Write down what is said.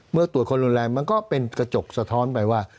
เมื่อตรวจคนรุนแรงมันก็เป็นกระจกสะท้อนไปว่า